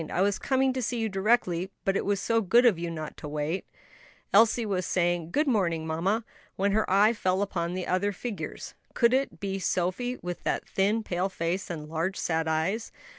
I was coming to see you directly, but it was so good of you not to wait." Elsie was saying, "Good morning, mamma," when her eye fell upon the other figures. Could it be Sophie with that thin, pale face and large, sad eyes?